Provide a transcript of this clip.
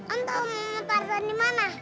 om tau mama tarzan dimana